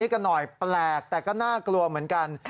กันหน่อยแปลกแต่ก็น่ากลัวเหมือนกัน